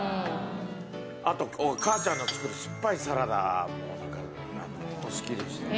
あと母ちゃんの作る酸っぱいサラダもなんか好きでしたね。